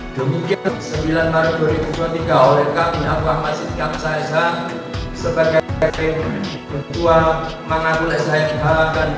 demikian sembilan maret dua ribu dua puluh tiga oleh kami apa masih kakak saya sebagai ketua managul shmh dan